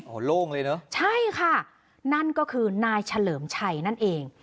โอ้โหโล่งเลยเนอะใช่ค่ะนั่นก็คือนายเฉลิมชัยนั่นเอง